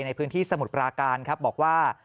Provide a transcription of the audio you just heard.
ในพื้นที่สมุทรปราการครับบอกว่า